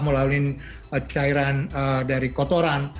melalui cairan dari kotoran